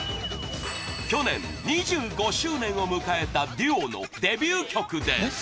去年２５周年を迎えたデュオのデビュー曲です